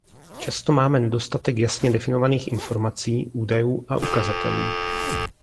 Často máme nedostatek jasně definovaných informací, údajů a ukazatelů.